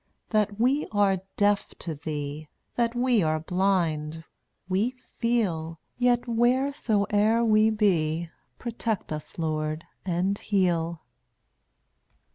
That we are deaf to Thee, That we are blind, we feel, Yet wheresoe'er we be, Protect us, Lord, and heal.